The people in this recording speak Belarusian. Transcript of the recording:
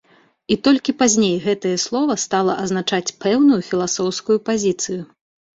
І толькі пазней гэтае слова стала азначаць пэўную філасофскую пазіцыю.